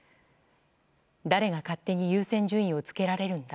誰が勝手に優先順位をつけられるんだ。